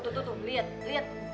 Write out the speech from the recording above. tuh tuh tuh lihat lihat